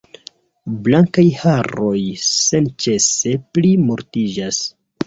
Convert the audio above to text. Blankaj haroj senĉese pli multiĝas.